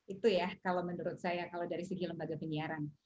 itu ya kalau menurut saya kalau dari segi lembaga penyiaran